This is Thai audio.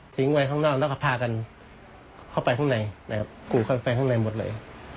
ไว้ข้างนอกแล้วก็พากันเข้าไปข้างในนะครับกูเข้าไปข้างในหมดเลย